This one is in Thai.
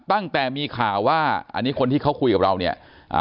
ตั้งแต่มีข่าวว่าอันนี้คนที่เขาคุยกับเราเนี่ยอ่า